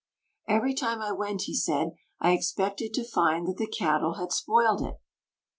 "Every time I went," he said, "I expected to find that the cattle had spoiled it!"